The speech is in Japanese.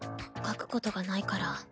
書くことがないから。